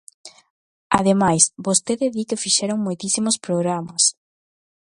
Ademais, vostede di que fixeron moitísimos programas.